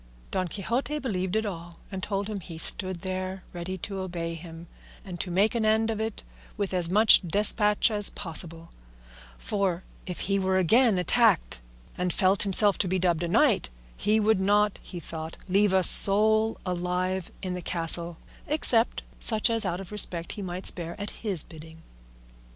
Don Quixote believed it all, and told him he stood there ready to obey him, and to make an end of it with as much despatch as possible; for, if he were again attacked, and felt himself to be dubbed knight, he would not, he thought, leave a soul alive in the castle, except such as out of respect he might spare at his bidding.